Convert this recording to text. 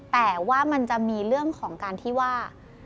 แต่ว่ามันจะมีเรื่องของการที่ว่า